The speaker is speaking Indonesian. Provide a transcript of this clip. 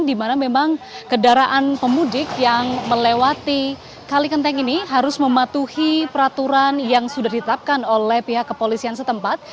di mana memang kendaraan pemudik yang melewati kalikenteng ini harus mematuhi peraturan yang sudah ditetapkan oleh pihak kepolisian setempat